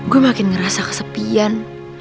gue makin ngerasa kesepian